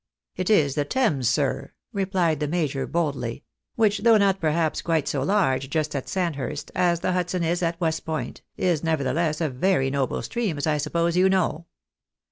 "" It is the Thames, Bir," replied the major, boldly, " which, though not perhaps quite so large just at Sandhurst as the Hudson is at West Point, is, nevertheless, a very noble stream, as I suppose you know."